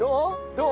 どう？